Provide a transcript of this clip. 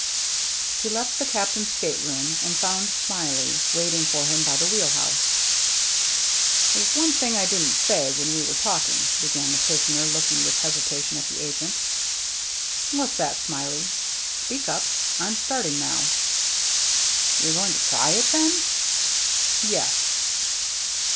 He left the Captain's stateroom, and found Smiley waiting for him by the wheel house. "There's one thing I didn't say when we I 26o THE MERRT ANNE were talking," began the prisoner, looking with some hesitation at the agent. "What's that. Smiley? Speak up. I'm starting now." " You're going to try it, then ?" "Yes."